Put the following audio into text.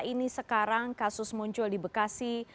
ini sekarang kasus muncul di bekasi